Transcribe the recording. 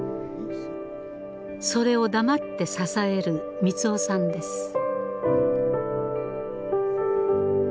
それを黙って支える三男さんです。